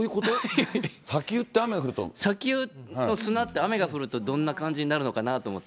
砂丘の砂って雨が降るとどんな感じになるのかなと思って。